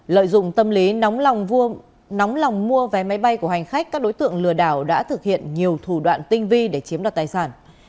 lợi dụng tâm lý nóng lòng mua vé máy bay của hành khách các đối tượng lừa đảo đã thực hiện nhiều thủ đoạn tinh vi để chiếm đoạt tài sản